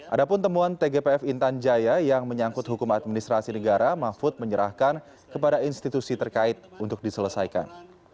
ada pun temuan tgpf intan jaya yang menyangkut hukum administrasi negara mahfud menyerahkan kepada institusi terkait untuk diselesaikan